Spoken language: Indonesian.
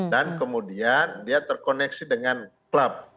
dan kemudian dia terkoneksi dengan klub